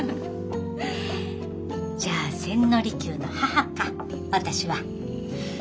じゃあ千利休の母か私は。